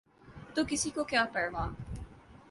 تو کسی کو کیا پروا؟